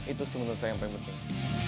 itu menurut saya yang paling penting